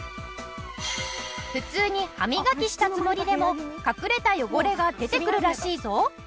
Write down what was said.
普通に歯磨きしたつもりでも隠れた汚れが出てくるらしいぞ。